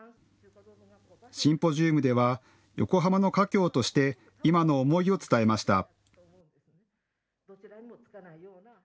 シンポジウムでは横浜の華僑として今の思いを伝えました。